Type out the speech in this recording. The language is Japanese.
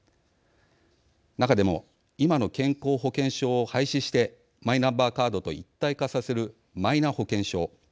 中でも、今の健康保険証を廃止してマイナンバーカードと一体化させるマイナ保険証。